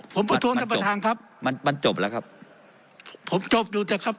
ผมประท้วงท่านประธานครับมันมันจบแล้วครับผมจบอยู่เถอะครับ